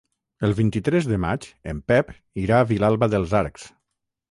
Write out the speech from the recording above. El vint-i-tres de maig en Pep irà a Vilalba dels Arcs.